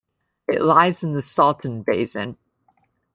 It lies in the Salton basin.